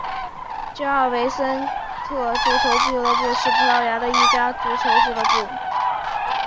吉尔维森特足球俱乐部是葡萄牙的一家足球俱乐部。